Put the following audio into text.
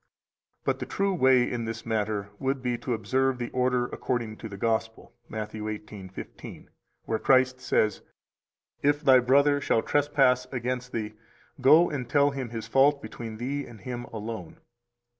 276 But the true way in this matter would be to observe the order according to the Gospel, Matt. 18:15, where Christ says: If thy brother shall trespass against thee, go and tell him his fault between thee and him alone.